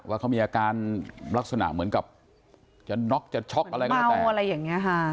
ว่าเขามีอาการลักษณะเหมือนกับจะน็อกจะช็อกอะไรก็แล้วแต่อะไรอย่างนี้ค่ะ